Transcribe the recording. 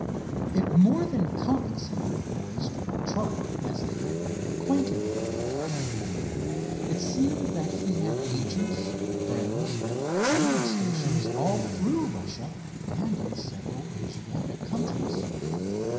It more than compensated the boys for their trouble as they got better acquainted with the man. It seemed that he had agents, friends, and trading stations, all through Russia and in several Asiatic countries.